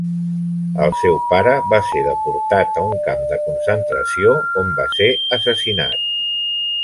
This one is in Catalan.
El seu pare va ser deportat a un camp de concentració, on va ser assassinat.